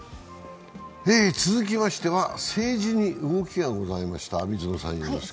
続きましては政治に動きがございました。